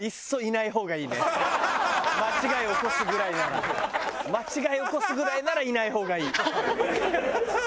間違い起こすぐらいならいない方がいい。